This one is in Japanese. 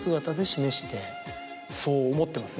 そう思ってますね